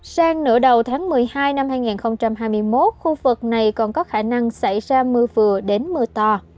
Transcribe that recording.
sang nửa đầu tháng một mươi hai năm hai nghìn hai mươi một khu vực này còn có khả năng xảy ra mưa vừa đến mưa to